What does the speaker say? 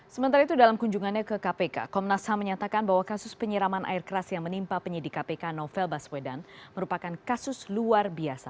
sementara itu dalam kunjungannya ke kpk komnas ham menyatakan bahwa kasus penyiraman air keras yang menimpa penyidik kpk novel baswedan merupakan kasus luar biasa